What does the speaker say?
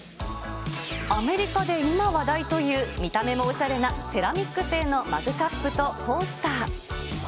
アメリカで今話題という、見た目もおしゃれなセラミック製のマグカップとコースター。